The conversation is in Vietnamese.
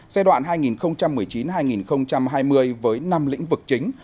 giai đoạn hai nghìn một mươi chín hai nghìn hai mươi với năm lĩnh vực chính